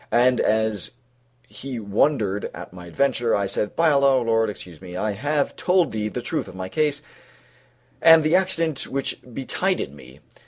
And as he wondered at my adventure, I said, "By Allah, O my lord, excuse me; I have told thee the truth of my case and the accident which betided me.